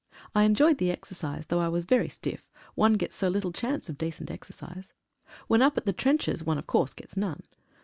I enjoyed the exercise, though I was very stiff, one gets so little chance of decent exercise. When up at the trenches one, of course, gets none.